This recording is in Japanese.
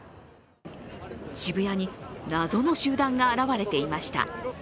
渋谷に謎の集団が現れていました。